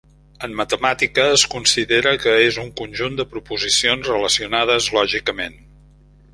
En matemàtica, es considera que és un conjunt de proposicions relacionades lògicament.